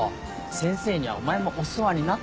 先生にはお前もお世話になったろ。